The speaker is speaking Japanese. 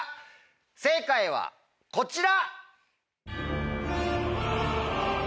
正解はこちら！